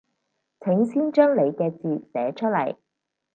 請先將你嘅字寫出來